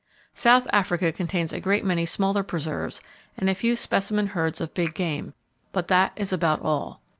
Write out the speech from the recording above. South Africa contains a great many smaller preserves and a few specimen herds of big game, but that is about all.